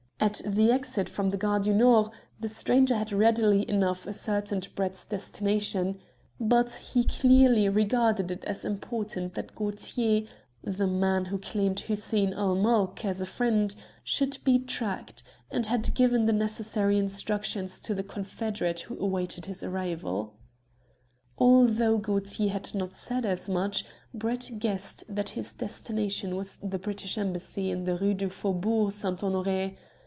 At the exit from the Gare du Nord the stranger had readily enough ascertained Brett's destination, but he clearly regarded it as important that Gaultier the man who claimed Hussein ul Mulk as a friend should be tracked, and had given the necessary instructions to the confederate who awaited his arrival. Although Gaultier had not said as much, Brett guessed that his destination was the British Embassy in the Rue du Faubourg St. Honoré.